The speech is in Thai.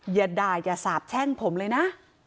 อย่าด่าอย่าสาบแช่งผมเลยนะ